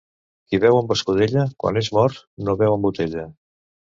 Qui beu amb escudella, quan es mor, no beu amb botella.